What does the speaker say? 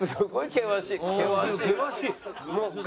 険しい。